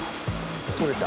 取れた。